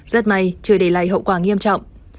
rất may chưa để lại hậu quả nghiêm trọng